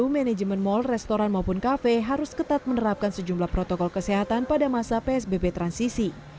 manajemen mal restoran maupun kafe harus ketat menerapkan sejumlah protokol kesehatan pada masa psbb transisi